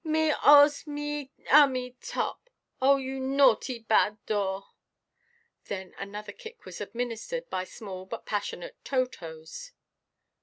Me 'ost me ummy top. Oh you naughty bad door!" Then another kick was administered by small but passionate toe–toes.